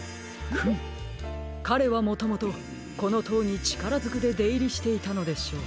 フムかれはもともとこのとうにちからづくででいりしていたのでしょう。